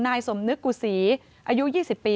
นายสมนึกกุศีอายุ๒๐ปี